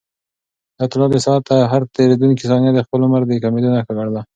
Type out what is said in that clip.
حیات الله د ساعت هر تېریدونکی ثانیه د خپل عمر د کمېدو نښه ګڼله.